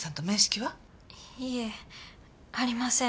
いえありません。